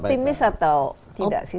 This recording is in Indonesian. optimis atau tidak sih